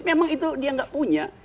memang itu dia nggak punya